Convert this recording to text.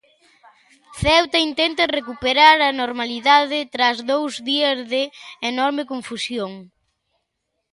Ceuta intenta recuperar a normalidade tras dous días de enorme confusión.